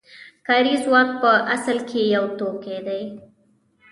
کاري ځواک په اصل کې یو توکی دی